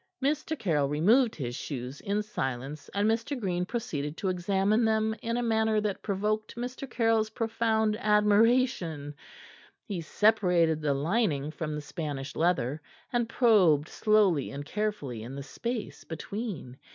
Mr. Caryll removed his shoes, in silence, and Mr. Green proceeded to examine them in a manner that provoked Mr. Caryll's profound admiration. He separated the lining from the Spanish leather, and probed slowly and carefully in the space between.